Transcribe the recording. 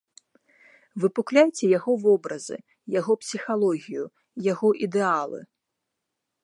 Выпукляйце яго вобразы, яго псіхалогію, яго ідэалы.